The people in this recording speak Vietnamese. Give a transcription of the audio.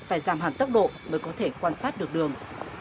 phải giảm hẳn tốc độ mới có thể quan sát được đường